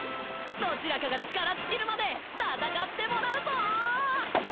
どちらかが力尽きるまで戦ってもらうぞ！